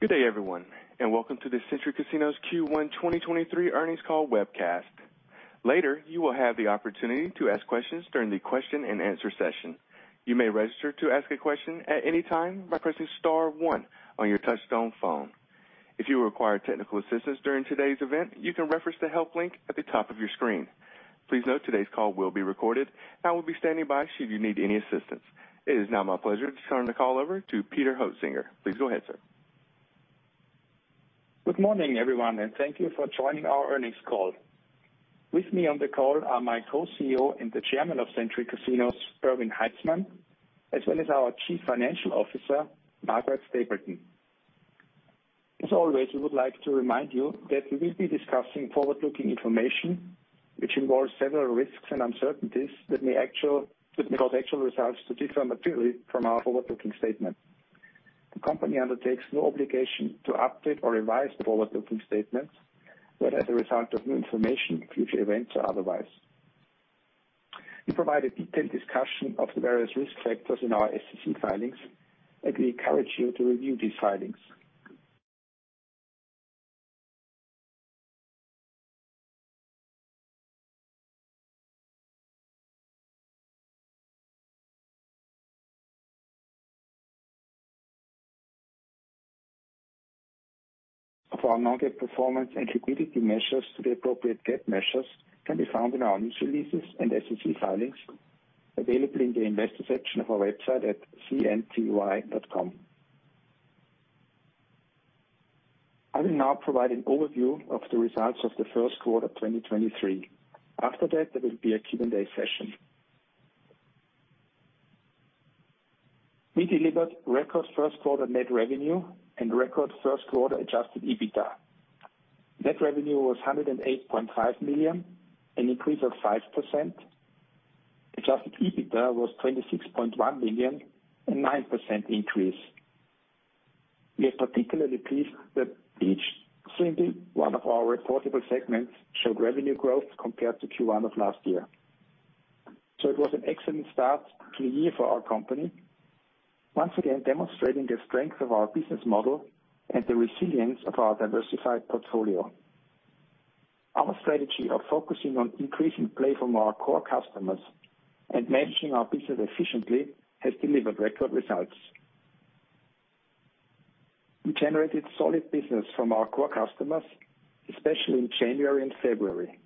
Good day, everyone, and welcome to the Century Casinos Q1 2023 earnings call webcast. Later, you will have the opportunity to ask questions during the question-and-answer session. You may register to ask a question at any time by pressing star one on your touchtone phone. If you require technical assistance during today's event, you can reference the help link at the top of your screen. Please note today's call will be recorded. I will be standing by should you need any assistance. It is now my pleasure to turn the call over to Peter Hoetzinger. Please go ahead, sir. Good morning, everyone, and thank you for joining our earnings call. With me on the call are my Co-CEO and Chairman of Century Casinos, Erwin Haitzmann, as well as our Chief Financial Officer, Margaret Stapleton. As always, we would like to remind you that we will be discussing forward-looking information, which involves several risks and uncertainties that may cause actual results to differ materially from our forward-looking statement. The company undertakes no obligation to update or revise forward-looking statements, whether as a result of new information, future events, or otherwise. We provide a detailed discussion of the various risk factors in our SEC filings, and we encourage you to review these filings. Of our non-GAAP performance and liquidity measures to the appropriate GAAP measures can be found in our news releases and SEC filings available in the investor section of our website at cnty.com. I will now provide an overview of the results of the first quarter 2023. After that, there will be a Q&A session. We delivered record first quarter Net revenue and record first quarter Adjusted EBITDA. Net revenue was $108.5 million, an increase of 5%. Adjusted EBITDA was $26.1 million, a 9% increase. We are particularly pleased that each single one of our reportable segments showed revenue growth compared to Q1 of last year. It was an excellent start to the year for our company, once again demonstrating the strength of our business model and the resilience of our diversified portfolio. Our strategy of focusing on increasing play from our core customers and managing our business efficiently has delivered record results. We generated solid business from our core customers, especially in January and February.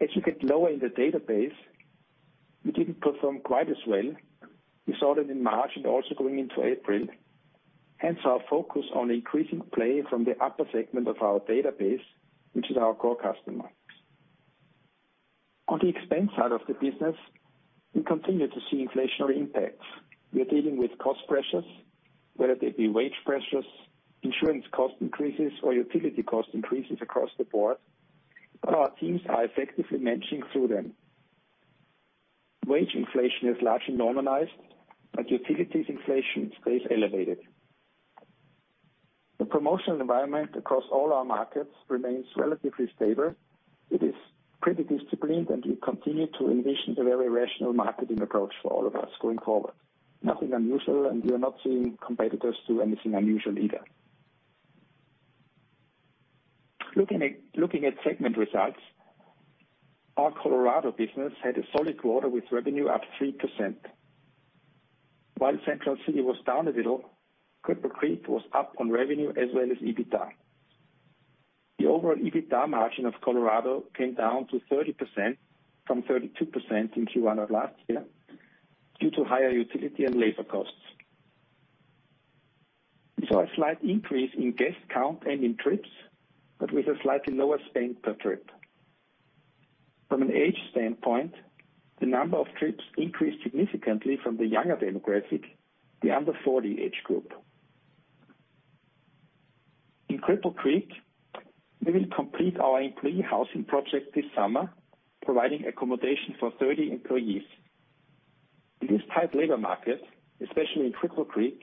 As you get lower in the database, we didn't perform quite as well. We saw that in March and also going into April, hence our focus on increasing play from the upper segment of our database, which is our core customers. On the expense side of the business, we continue to see inflationary impacts. We are dealing with cost pressures, whether they be wage pressures, insurance cost increases, or utility cost increases across the board, but our teams are effectively managing through them. Wage inflation has largely normalized, but utilities inflation stays elevated. The promotional environment across all our markets remains relatively stable. It is pretty disciplined, and we continue to envision a very rational marketing approach for all of us going forward. Nothing unusual, and we are not seeing competitors do anything unusual either. Looking at segment results, our Colorado business had a solid quarter with revenue up 3%. While Central City was down a little, Cripple Creek was up on revenue as well as EBITDA. The overall EBITDA margin of Colorado came down to 30% from 32% in Q1 of last year due to higher utility and labor costs. We saw a slight increase in guest count and in trips, but with a slightly lower spend per trip. From an age standpoint, the number of trips increased significantly from the younger demographic, the under 40 age group. In Cripple Creek, we will complete our employee housing project this summer, providing accommodation for 30 employees. In this tight labor market, especially in Cripple Creek,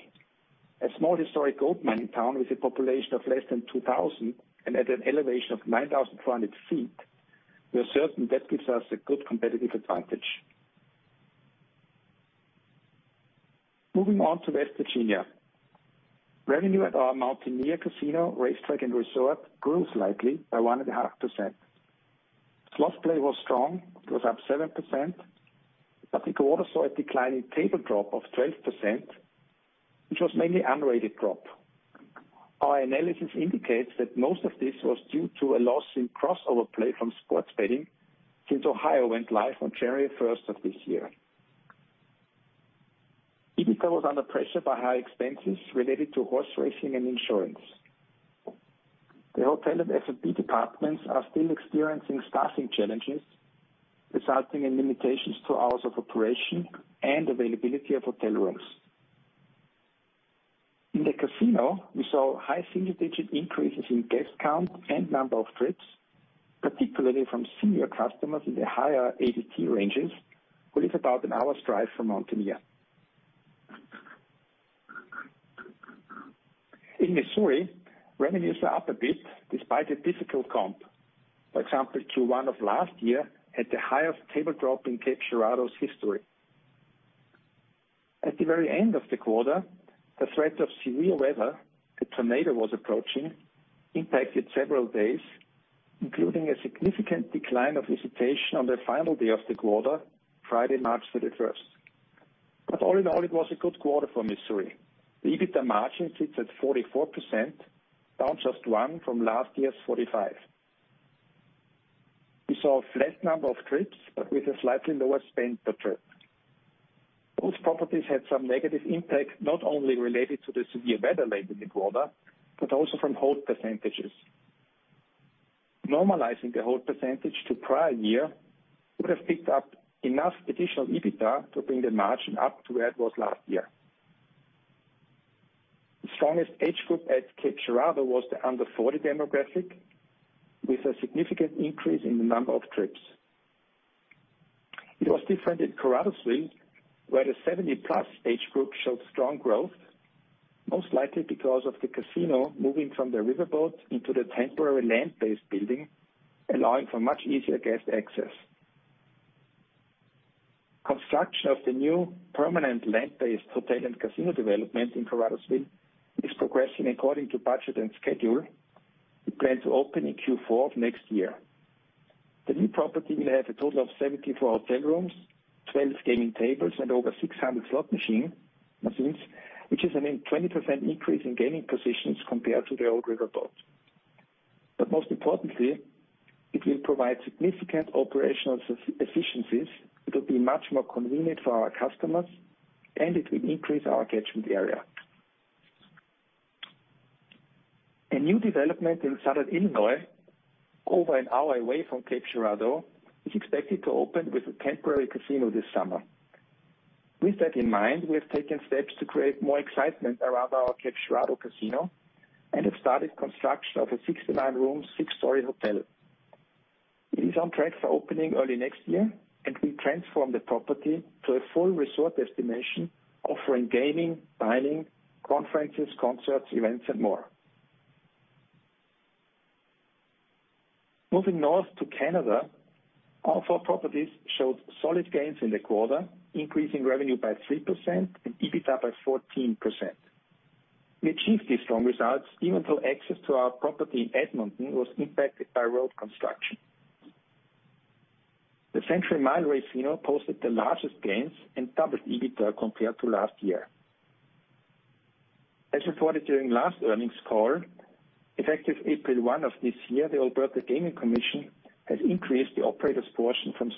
a small historic gold mining town with a population of less than 2,000 and at an elevation of 9,400 feet, we are certain that gives us a good competitive advantage. Moving on to West Virginia. Revenue at our Mountaineer Casino, Racetrack & Resort grew slightly by 1.5%. Slots play was strong. It was up 7%, the quarter saw a decline in table drop of 12%, which was mainly unrated drop. Our analysis indicates that most of this was due to a loss in crossover play from sports betting since Ohio went live on January 1st of this year. EBITDA was under pressure by high expenses related to horse racing and insurance. The hotel and F&B departments are still experiencing staffing challenges, resulting in limitations to hours of operation and availability of hotel rooms. In the casino, we saw high single-digit increases in guest count and number of trips, particularly from senior customers in the higher ADT ranges, which is about an hour's drive from Mountaineer. In Missouri, revenues are up a bit despite a difficult comp. For example, Q1 of last year had the highest table drop in Cape Girardeau's history. At the very end of the quarter, the threat of severe weather, a tornado was approaching, impacted several days, including a significant decline of visitation on the final day of the quarter, Friday, March 31st. All in all, it was a good quarter for Missouri. The EBITDA margin sits at 44%, down just 1 from last year's 45. We saw a flat number of trips, but with a slightly lower spend per trip. Both properties had some negative impact, not only related to the severe weather late in the quarter, but also from hold percentages. Normalizing the hold percentage to prior year would have picked up enough additional EBITDA to bring the margin up to where it was last year. The strongest age group at Cape Girardeau was the under 40 demographic, with a significant increase in the number of trips. It was different in Caruthersville, where the 70-plus age group showed strong growth, most likely because of the casino moving from the riverboat into the temporary land-based building, allowing for much easier guest access. Construction of the new permanent land-based hotel and casino development in Caruthersville is progressing according to budget and schedule. We plan to open in Q4 of next year. The new property will have a total of 74 hotel rooms, 12 gaming tables, and over 600 slot machines, which is a 20% increase in gaming positions compared to the old riverboat. Most importantly, it will provide significant operational efficiencies. It will be much more convenient for our customers, and it will increase our catchment area. A new development in Southern Illinois, over an hour away from Cape Girardeau, is expected to open with a temporary casino this summer. With that in mind, we have taken steps to create more excitement around our Cape Girardeau casino and have started construction of a 69-room, 6-story hotel. It is on track for opening early next year, and we transform the property to a full resort destination offering gaming, dining, conferences, concerts, events, and more. Moving north to Canada, our four properties showed solid gains in the quarter, increasing revenue by 3% and EBITDA by 14%. We achieved these strong results even though access to our property in Edmonton was impacted by road construction. Century Mile Race Casino posted the largest gains and doubled EBITDA compared to last year. As reported during last earnings call, effective April 1 of this year, the Alberta Gaming Commission has increased the operator's portion from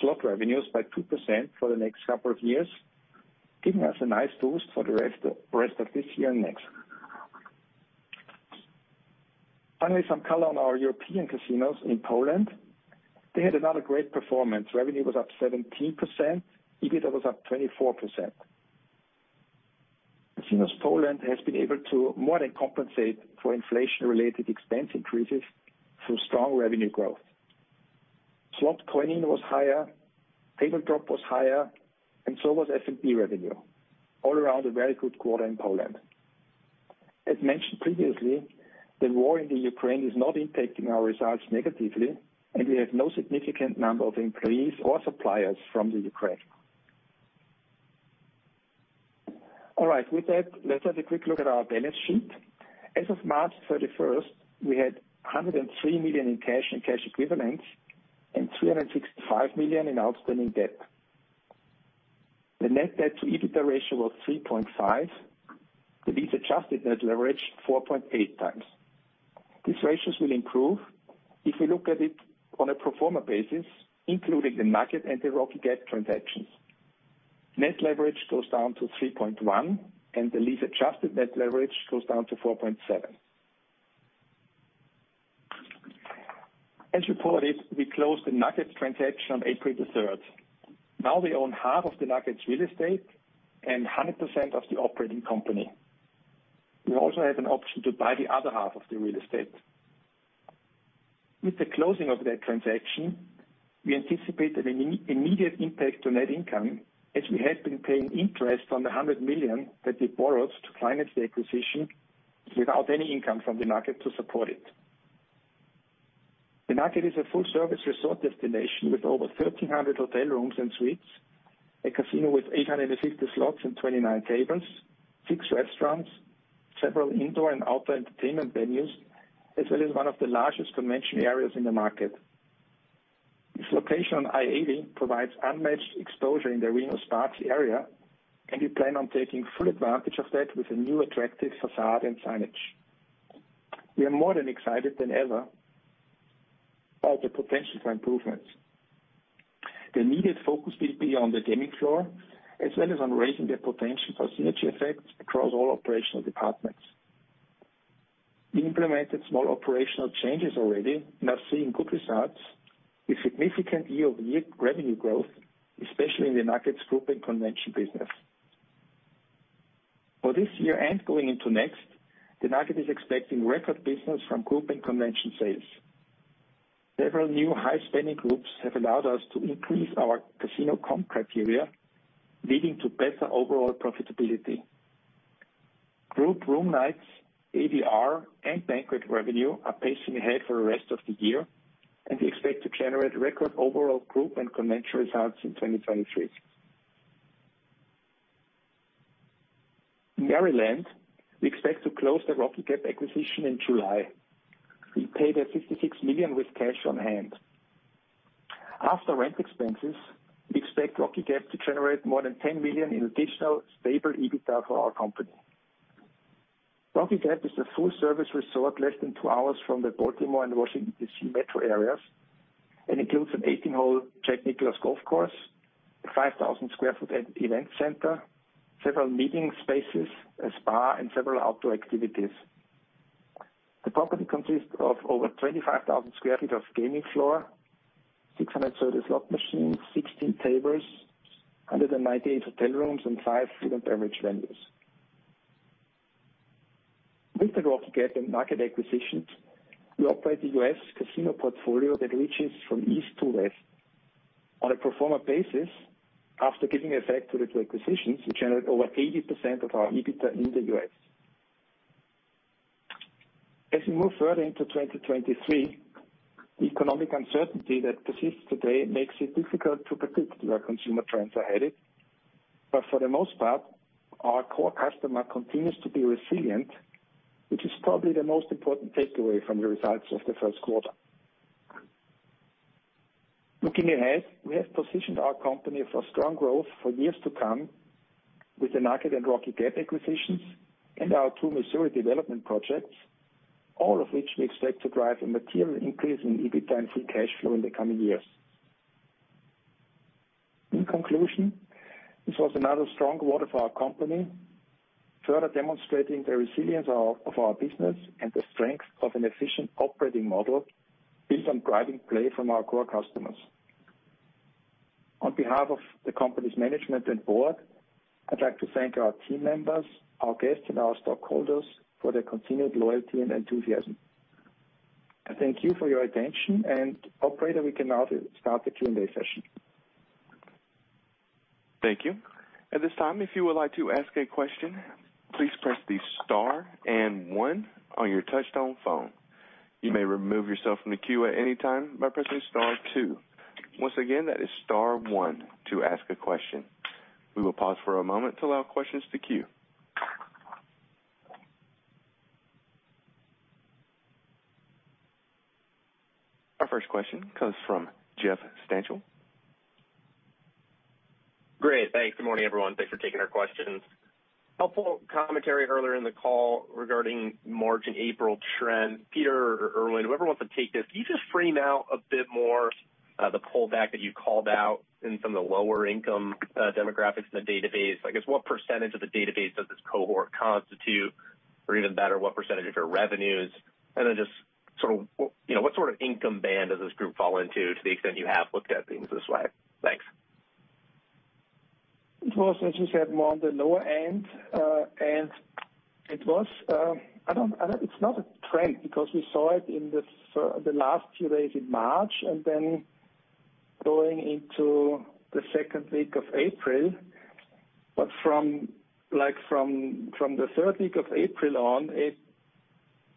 slot revenues by 2% for the next couple of years, giving us a nice boost for the rest of this year and next. Finally, some color on our European casinos in Poland. They had another great performance. Revenue was up 17%. EBITDA was up 24%. Casinos Poland has been able to more than compensate for inflation-related expense increases through strong revenue growth. Slot coin-in was higher, table drop was higher, and so was F&B revenue. All around, a very good quarter in Poland. As mentioned previously, the war in the Ukraine is not impacting our results negatively, and we have no significant number of employees or suppliers from the Ukraine. All right. With that, let's have a quick look at our balance sheet. As of March 31st, we had $103 million in cash and cash equivalents and $365 million in outstanding debt. The net debt-to-EBITDA ratio was 3.5. The lease-adjusted net leverage, 4.8 times. These ratios will improve if we look at it on a pro forma basis, including the Nugget and the Rocky Gap transactions. Net leverage goes down to 3.1, and the lease-adjusted net leverage goes down to 4.7. As reported, we closed the Nugget transaction on April the third. We own half of the Nugget's real estate and 100% of the operating company. We also have an option to buy the other half of the real estate. With the closing of that transaction, we anticipate an immediate impact to net income as we have been paying interest on the $100 million that we borrowed to finance the acquisition without any income from the Nugget to support it. The Nugget is a full-service resort destination with over 1,300 hotel rooms and suites, a casino with 850 slots and 29 tables, six restaurants, several indoor and outdoor entertainment venues, as well as one of the largest convention areas in the market. Its location on I-80 provides unmatched exposure in the Reno-Sparks area. We plan on taking full advantage of that with a new attractive façade and signage. We are more than excited than ever about the potential for improvements. The immediate focus will be on the gaming floor, as well as on raising the potential for synergy effects across all operational departments. We implemented small operational changes already, and are seeing good results with significant year-over-year revenue growth, especially in the Nugget's group and convention business. For this year and going into next, the Nugget is expecting record business from group and convention sales. Several new high-spending groups have allowed us to increase our casino comp criteria, leading to better overall profitability. Group room nights, ADR, and banquet revenue are pacing ahead for the rest of the year. We expect to generate record overall group and convention results in 2023. In Maryland, we expect to close the Rocky Gap acquisition in July. We paid a $56 million with cash on hand. After rent expenses, we expect Rocky Gap to generate more than $10 million in additional stable EBITDA for our company. Rocky Gap is a full-service resort less than 2 hours from the Baltimore and Washington, D.C. metro areas and includes an 18-hole Jack Nicklaus golf course, a 5,000 sq ft event center, several meeting spaces, a spa, and several outdoor activities. The property consists of over 25,000 sq ft of gaming floor, 630 slot machines, 16 tables, 198 hotel rooms and 5 food and beverage venues. With the Rocky Gap and Nugget acquisitions, we operate a U.S. casino portfolio that reaches from east to west. On a pro forma basis, after giving effect to the 2 acquisitions, we generate over 80% of our EBITDA in the U.S. As we move further into 2023, economic uncertainty that persists today makes it difficult to predict where consumer trends are headed. For the most part, our core customer continues to be resilient, which is probably the most important takeaway from the results of the first quarter. Looking ahead, we have positioned our company for strong growth for years to come with the Nugget and Rocky Gap acquisitions and our 2 Missouri development projects, all of which we expect to drive a material increase in EBITDA and free cash flow in the coming years. In conclusion, this was another strong quarter for our company, further demonstrating the resilience of our business and the strength of an efficient operating model based on driving play from our core customers. On behalf of the company's management and board, I'd like to thank our team members, our guests, and our stockholders for their continued loyalty and enthusiasm. I thank you for your attention, and operator, we can now start the Q&A session. Thank you. At this time, if you would like to ask a question, please press the star and 1 on your touchtone phone. You may remove yourself from the queue at any time by pressing star 2. Once again, that is star 1 to ask a question. We will pause for a moment to allow questions to queue. Our first question comes from Jeff Stantial. Great. Thanks. Good morning, everyone. Thanks for taking our questions. Helpful commentary earlier in the call regarding March and April trend. Peter or Erwin, whoever wants to take this, can you just frame out a bit more the pullback that you called out in some of the lower income demographics in the database? I guess, what % of the database does this cohort constitute? Or even better, what % of your revenues? Just sort of you know, what sort of income band does this group fall into to the extent you have looked at things this way? Thanks. It was, as you said, more on the lower end. It's not a trend because we saw it in the last few days in March, and then going into the second week of April. From, like, from the third week of April on, it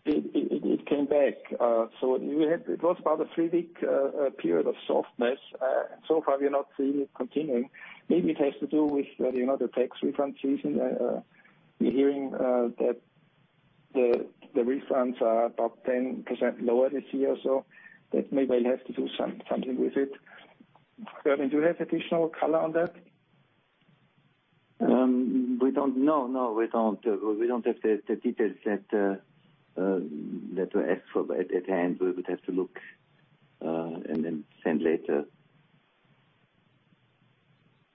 came back. It was about a three-week period of softness. So far, we are not seeing it continuing. Maybe it has to do with, you know, the tax refund season. We're hearing that the refunds are about 10% lower this year, so that maybe will have to do something with it. Erwin, do you have additional color on that? We don't. No, no, we don't. We don't have the details that were asked for at hand. We would have to look, and then send later.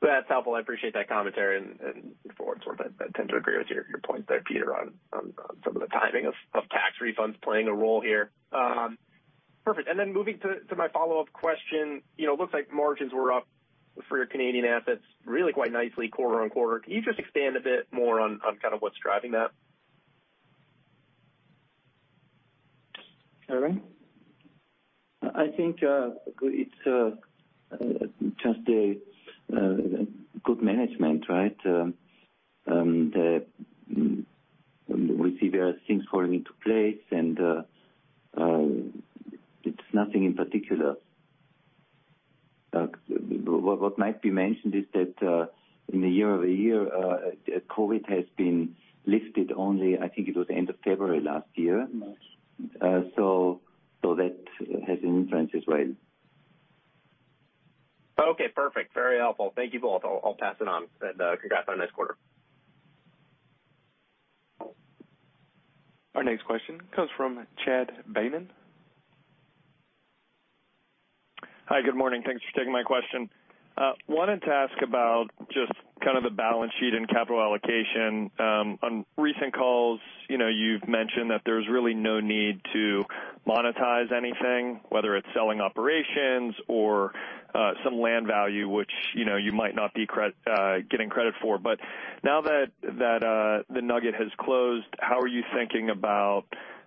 That's helpful. I appreciate that commentary and forward sort of. I tend to agree with your point there, Peter, on some of the timing of tax refunds playing a role here. Perfect. Then moving to my follow-up question. You know, looks like margins were up for your Canadian assets really quite nicely quarter-on-quarter. Can you just expand a bit more on kind of what's driving that? Erwin? I think it's just a good management, right? We see there are things falling into place, and it's nothing in particular. What might be mentioned is that in the year-over-year, COVID has been lifted only, I think it was end of February last year. March. that has an influence as well. Okay, perfect. Very helpful. Thank You both. I'll pass it on. Congrats on a nice quarter. Our next question comes from Chad Beynon. Hi. Good morning. Thanks for taking my question. Wanted to ask about just kind of the balance sheet and capital allocation. On recent calls, you know, you've mentioned that there's really no need to monetize anything, whether it's selling operations or some land value, which, you know, you might not be getting credit for. Now that The Nugget has closed, how are you thinking about,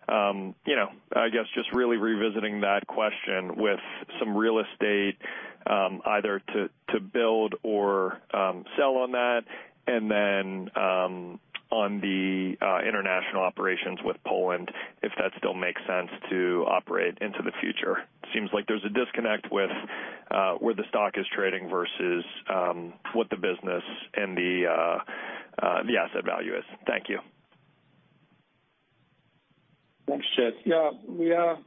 you know, I guess just really revisiting that question with some real estate, either to build or sell on that. On the international operations with Poland, if that still makes sense to operate into the future. Seems like there's a disconnect with where the stock is trading versus what the business and the asset value is. Thank you. Thanks, Chad. Yeah, we are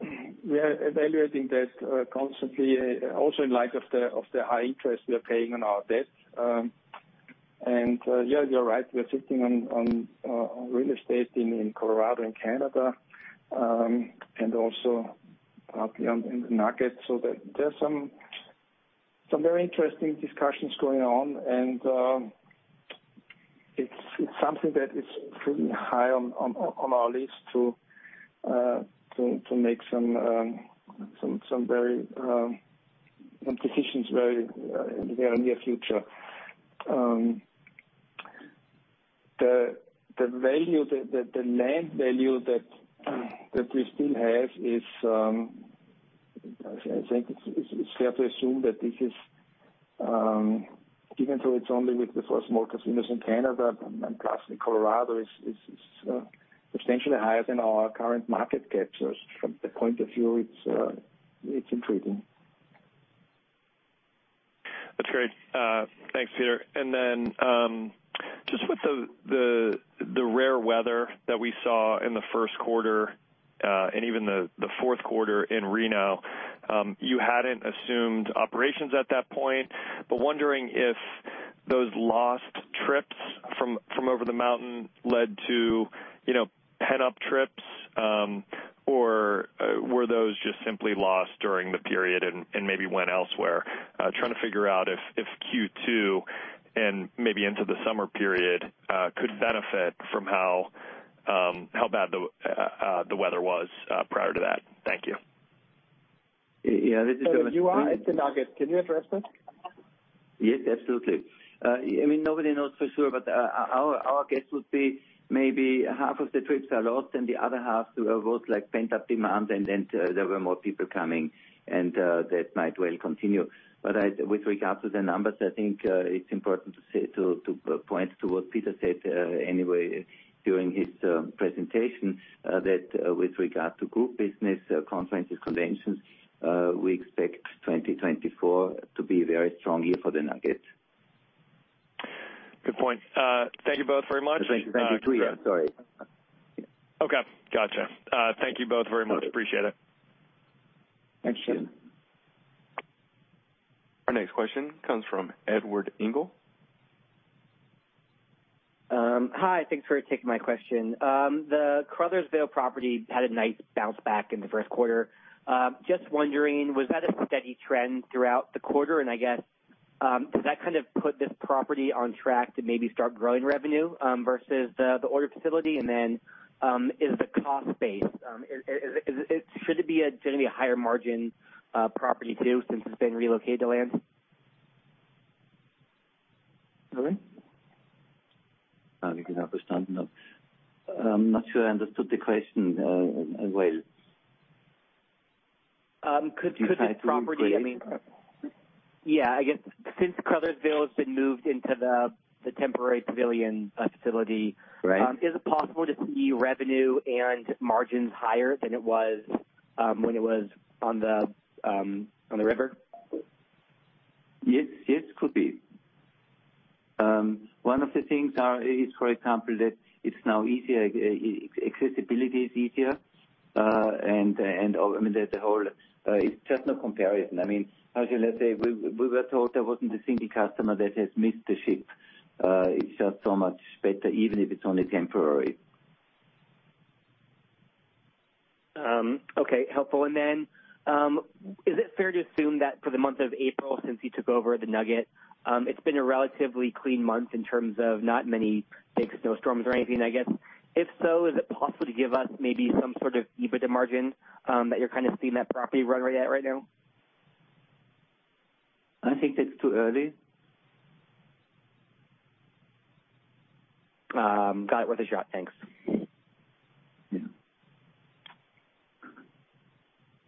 evaluating that constantly, also in light of the high interest we are paying on our debt. Yeah, you're right. We are sitting on real estate in Colorado and Canada, and also up on in the Nugget. There's some very interesting discussions going on, and it's something that is pretty high on our list to make some very some decisions very in the near future. The land value that we still have is I think it's fair to assume that this is even though it's only with the four small casinos in Canada and plus in Colorado is substantially higher than our current market cap. From that point of view, it's intriguing. That's great. Thanks, Peter. Just with the rare weather that we saw in the first quarter, and even the fourth quarter in Reno, you hadn't assumed operations at that point, but wondering if those lost trips from over the mountain led to, you know, pent up trips, or were those just simply lost during the period and maybe went elsewhere? Trying to figure out if Q2 and maybe into the summer period could benefit from how bad the weather was prior to that. Thank you. Yeah, this is Erwin. You are at the Nugget. Can you address that? Yes, absolutely. I mean, nobody knows for sure, but, our guess would be maybe half of the trips are lost and the other half was like pent-up demand and then there were more people coming and, that might well continue. With regard to the numbers, I think, it's important to say, to point to what Peter said, anyway during his presentation, that with regard to group business, conferences, conventions, we expect 2024 to be a very strong year for the Nugget. Good point. Thank you both very much. Thank you. Thank you. Erwin, sorry. Okay. Gotcha. Thank you both very much. Appreciate it. Thank you. Our next question comes from Edward Engel. Hi. Thanks for taking my question. The Caruthersville property had a nice bounce back in the first quarter. Just wondering, was that a steady trend throughout the quarter? I guess, does that kind of put this property on track to maybe start growing revenue, versus the order facility? Is the cost base, is it gonna be a higher margin property too, since it's been relocated to land? Erwin? You can understand. No. I'm not sure I understood the question, well. Could this property? Could you try to rephrase? I mean Yeah, I guess since Caruthersville has been moved into the temporary pavilion, facility. Right. Is it possible to see revenue and margins higher than it was, when it was on the, on the river? Yes, could be. One of the things is, for example, that it's now easier, accessibility is easier. And, I mean, it's just no comparison. I mean, how should I say? We were told there wasn't a single customer that has missed the ship. It's just so much better, even if it's only temporary. Okay. Helpful. Then, is it fair to assume that for the month of April, since you took over the Nugget, it's been a relatively clean month in terms of not many big snowstorms or anything, I guess. If so, is it possible to give us maybe some sort of EBITDA margin that you're kind of seeing that property run rate at right now? I think that's too early. Got it. Worth a shot. Thanks. Yeah.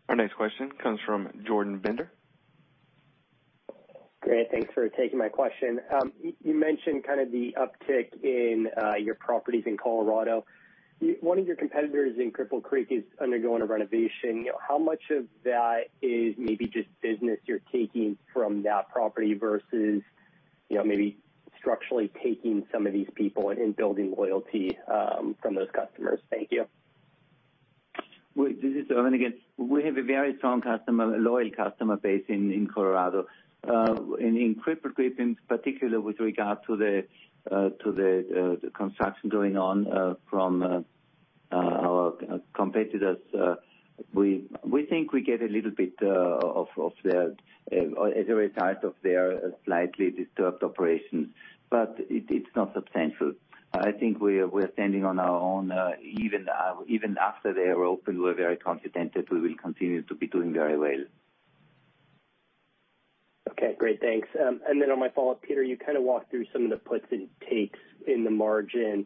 Our next question comes from Jordan Bender. Great. Thanks for taking my question. You mentioned kind of the uptick in your properties in Colorado. One of your competitors in Cripple Creek is undergoing a renovation. How much of that is maybe just business you're taking from that property versus, you know, maybe structurally taking some of these people and building loyalty from those customers? Thank you. Well, this is Erwin again. We have a very strong customer, loyal customer base in Colorado. In Cripple Creek, in particular with regard to the construction going on from our competitors, we think we get a little bit as a result of their slightly disturbed operations, but it's not substantial. I think we're standing on our own. Even after they are open, we're very confident that we will continue to be doing very well. Okay, great. Thanks. Then on my follow-up, Peter, you kinda walked through some of the puts and takes in the margin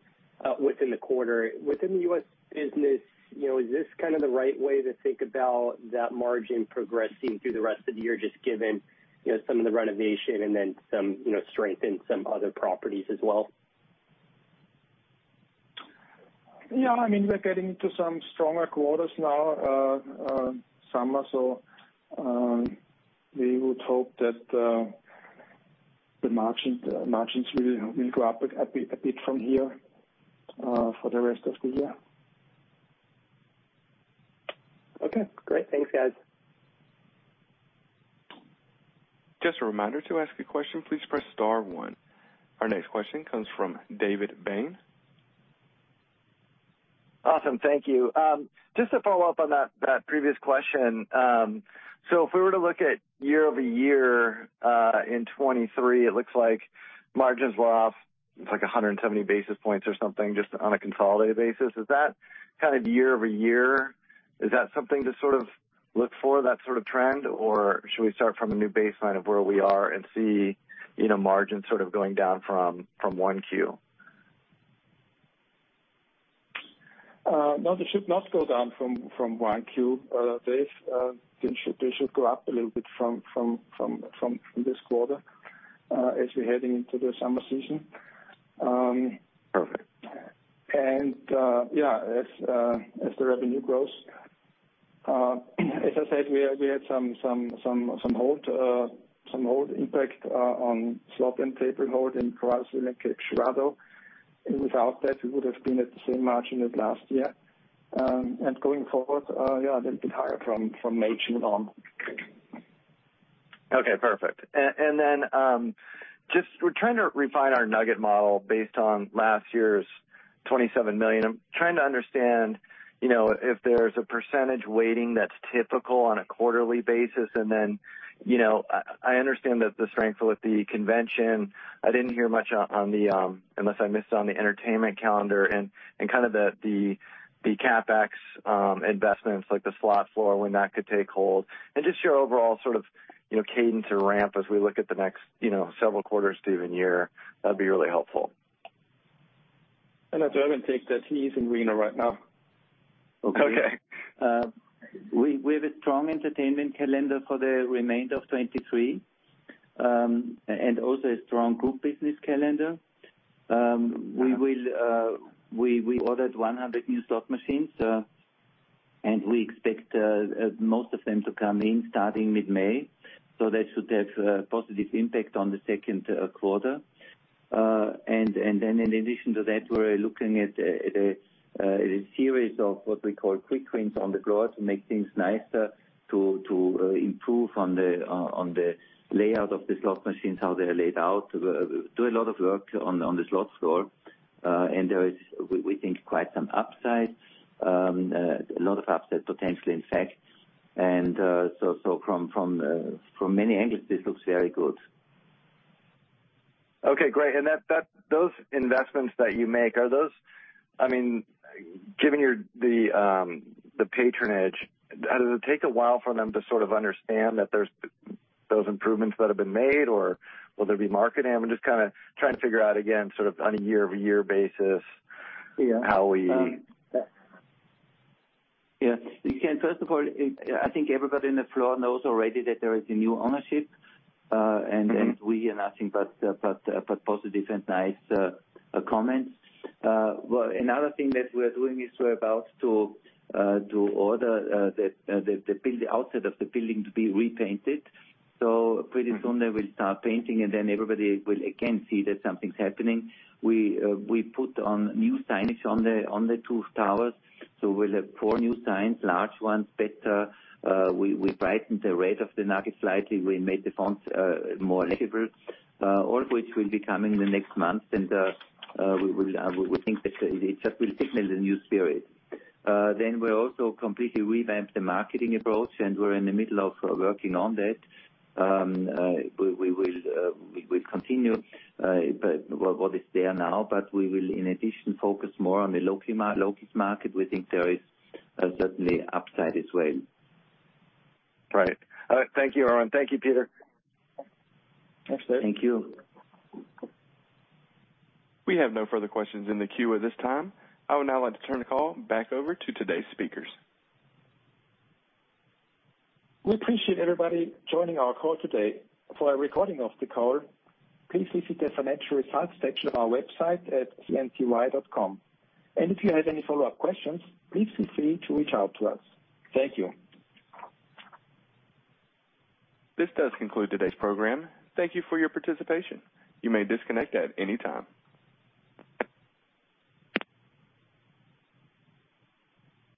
within the quarter. Within the U.S. business, you know, is this kinda the right way to think about that margin progressing through the rest of the year, just given, you know, some of the renovation and then some, you know, strength in some other properties as well? Yeah, I mean, we're getting to some stronger quarters now, summer. We would hope that the margins will go up a bit from here for the rest of the year. Okay, great. Thanks, guys. Just a reminder, to ask a question, please press star one. Our next question comes from David Bain. Awesome. Thank you. Just to follow up on that previous question. If we were to look at year-over-year, in 2023, it looks like margins were off, like, 170 basis points or something just on a consolidated basis. Is that kind of year-over-year? Is that something to sort of look for, that sort of trend? Or should we start from a new baseline of where we are and see, you know, margins sort of going down from 1Q? No, they should not go down from 1Q. They've, they should go up a little bit from this quarter, as we're heading into the summer season. Perfect. Yeah, as the revenue grows. As I said, we had some hold impact on slot and table hold in Caruthersville and in Cape Girardeau. Without that, we would've been at the same margin as last year. Going forward, yeah, a little bit higher from May, June on. Okay, perfect. Just we're trying to refine our Nugget model based on last year's $27 million. I'm trying to understand, you know, if there's a % weighting that's typical on a quarterly basis. You know, I understand that the strength with the convention, I didn't hear much on the, unless I missed it on the entertainment calendar and kind of the, the CapEx, investments, like the slot floor, when that could take hold. Your overall sort of, you know, cadence or ramp as we look at the next, you know, several quarters to even year, that'd be really helpful. I'll let Erwin take that. He's in Reno right now. Okay. We have a strong entertainment calendar for the remainder of 2023, and also a strong group business calendar. We ordered 100 new slot machines, and we expect most of them to come in starting mid-May, so that should have a positive impact on the second quarter. Then in addition to that, we're looking at a series of what we call quick wins on the floor to make things nicer, to improve on the layout of the slot machines, how they're laid out. We'll do a lot of work on the slot floor. There is, we think quite some upside, a lot of upside potentially, in fact. From many angles, this looks very good. Okay, great. Those investments that you make, I mean, given the patronage, does it take a while for them to sort of understand that there's those improvements that have been made, or will there be marketing? I'm just kinda trying to figure out, again, sort of on a year-over-year basis. Yeah... how we- Yeah. First of all, I think everybody in the floor knows already that there is a new ownership. Mm-hmm We are nothing but positive and nice comments. Well, another thing that we're doing is we're about to order the outside of the building to be repainted. Pretty soon they will start painting, and then everybody will again see that something's happening. We put on new signage on the two towers, so we'll have four new signs, large ones, better. We brightened the red of the Nugget slightly. We made the fonts more legible, all of which will be coming in the next month. We will, we think that it just will signal a new spirit. We're also completely revamped the marketing approach, we're in the middle of working on that. We will, we continue, but what is there now, but we will in addition focus more on the local market. We think there is certainly upside as well. Got it. All right. Thank you, Erwin. Thank you, Peter. Absolutely. Thank you. We have no further questions in the queue at this time. I would now like to turn the call back over to today's speakers. We appreciate everybody joining our call today. For a recording of the call, please visit the financial results section of our website at cnty.com. If you have any follow-up questions, please feel free to reach out to us. Thank you. This does conclude today's program. Thank you for your participation. You may disconnect at any time.